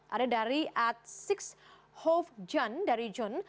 ada dari at enam hulljohn dari john